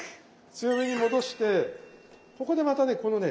強火に戻してここでまたねこのね